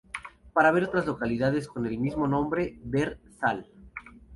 Para ver otras localidades con el mismo nombre, ver Thal.